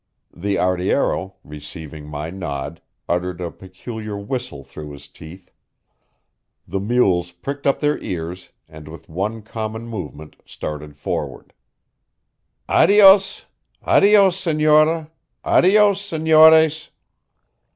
The arriero, receiving my nod uttered a peculiar whistle through his teeth. The mules pricked up their ears, then with one common movement started forward. "Adios! Adios, senora! Adios, senores!"